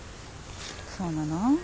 そうなの？